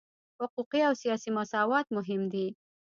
حقوقي او سیاسي مساوات مهم دي.